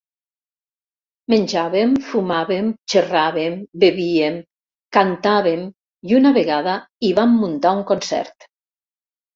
Menjàvem, fumàvem, xerràvem, bevíem, cantàvem i una vegada hi vam muntar un concert.